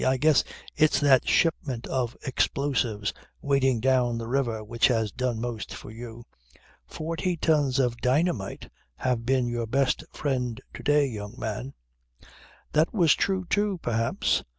"I guess it's that shipment of explosives waiting down the river which has done most for you. Forty tons of dynamite have been your best friend to day, young man." "That was true too, perhaps.